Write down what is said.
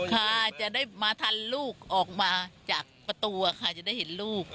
ค่ะจะได้มาทันลูกออกมาจากประตูค่ะจะได้เห็นลูก